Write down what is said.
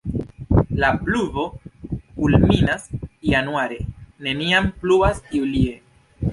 La pluvo kulminas januare, neniam pluvas julie.